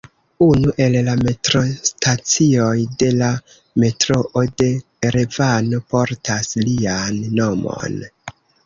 Unu el la metrostacioj de la metroo de Erevano portas lian nomon.